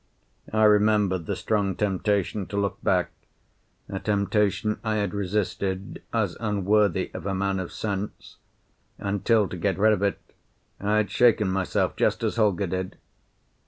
I remembered the strong temptation to look back, a temptation I had resisted as unworthy of a man of sense, until, to get rid of it, I had shaken myself just as Holger did.